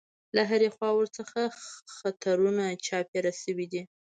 له هرې خوا ورڅخه خطرونه چاپېر شوي دي.